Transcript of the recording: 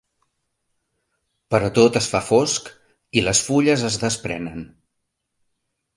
Però tot es fa fosc i les fulles es desprenen.